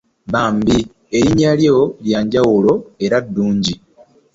Bambi ,erinya lyo lyanjawulo era ddunji.